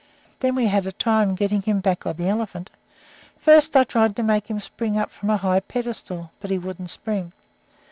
Then we had a time getting him back on the elephant. First I tried to make him spring up from a high pedestal, but he wouldn't spring.